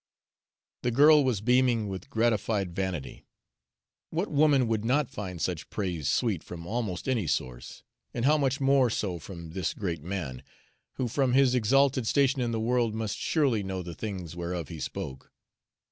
The girl was beaming with gratified vanity. What woman would not find such praise sweet from almost any source, and how much more so from this great man, who, from his exalted station in the world, must surely know the things whereof he spoke!